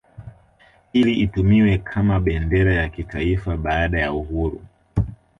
Ili itumiwe kama bendera ya kitaifa baada ya uhuru